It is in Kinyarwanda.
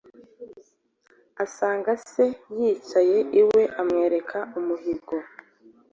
asanga se yicaye iwe amwereka umuhigo.